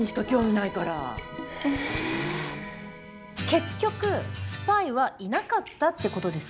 結局スパイはいなかったってことですか？